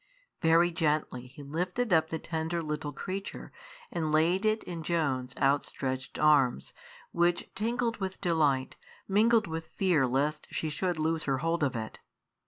Very gently he lifted up the tender little creature, and laid it in Joan's outstretched arms, which tingled with delight, mingled with fear lest she should loose her hold of it.